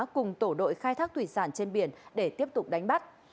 cùng tổ đội khai thác thủy sản trên biển để tiếp tục đánh bắt